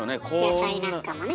野菜なんかもね。